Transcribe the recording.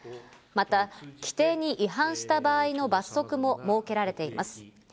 また規定に違反した場合の罰則も設けられています。